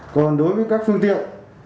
còn đối với các phương tiện